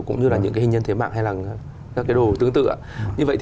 cũng như là những cái hình nhân thế mạng hay là các cái đồ tương tự ạ